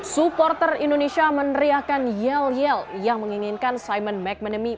supporter indonesia meneriakan yell yell yang menginginkan simon mcmanamy